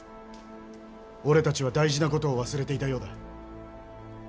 俺たちは大事な事を忘れていたようだ。